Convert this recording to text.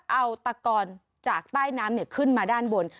เอาตะกอนจากใต้น้ำขึ้นมาด้านบน